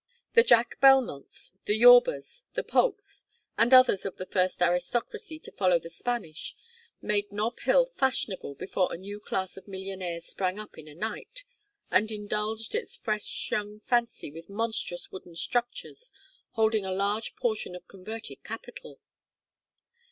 The Jack Belmonts, the Yorbas, the Polks, and others of the first aristocracy to follow the Spanish, made Nob Hill fashionable before a new class of millionaires sprang up in a night, and indulged its fresh young fancy with monstrous wooden structures holding a large portion of converted capital.